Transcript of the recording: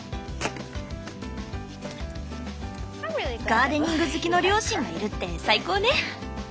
ガーデニング好きの両親がいるって最高ね！